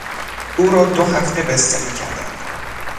او را دو هفته بستری کردند.